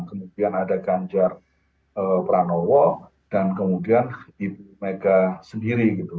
kemudian ada ganjar pranowo dan kemudian ibu mega sendiri gitu